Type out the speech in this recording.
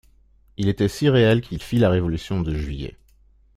Il était si réel qu'il fit la révolution de Juillet.